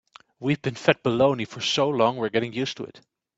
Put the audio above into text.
We've been fed baloney so long we're getting used to it.